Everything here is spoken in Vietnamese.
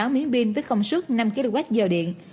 một mươi sáu miếng pin tích không suất năm kwh điện